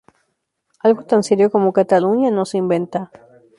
Algo tan serio como Cataluña no se inventa.